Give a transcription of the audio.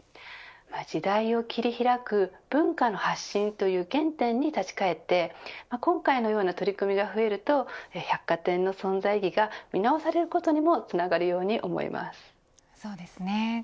時代を切り開く文化の発信という原点に立ち返って今回のような取り組みが増えると百貨店の存在意義が見直されることにもつながるようにそうですね。